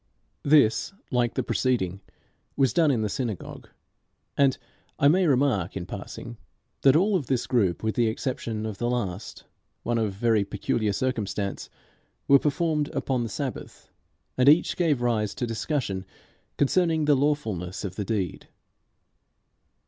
This, like the preceding, was done in the synagogue. And I may remark, in passing, that all of this group, with the exception of the last one of very peculiar circumstance were performed upon the Sabbath, and each gave rise to discussion concerning the lawfulness of the deed.